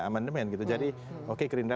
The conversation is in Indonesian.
amandemen gitu jadi oke gerindra